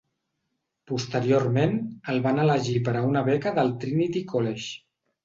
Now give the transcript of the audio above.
Posteriorment, el van elegir per a una beca del Trinity College.